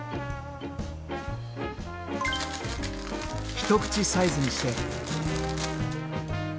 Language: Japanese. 一口サイズにして。